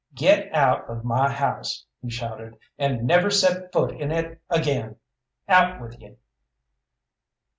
"Get out of my house," he shouted, "and never set foot in it again! Out with ye!"